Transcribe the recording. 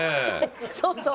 そうそう。